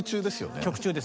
曲中です